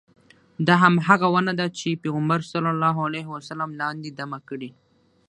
دا همغه ونه ده چې پیغمبر صلی الله علیه وسلم لاندې دمه کړې.